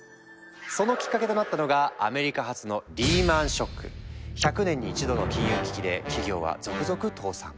そのきっかけとなったのがアメリカ発の１００年に一度の金融危機で企業は続々倒産。